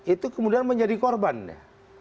itu kemudian menjadi korbannya